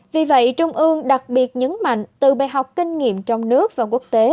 vì vậy trung ương đặc biệt nhấn mạnh từ bài học kinh nghiệm trong nước và quốc tế